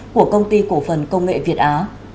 của công ty cổ phần công nghệ việt á